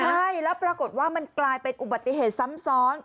ใช่แล้วปรากฏว่ามันกลายเป็นอุบัติเหตุซ้ำซ้อน